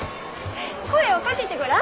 声をかけてごらん！